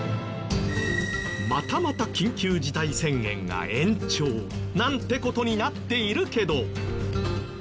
またまた緊急事態宣言が延長。なんて事になっているけど。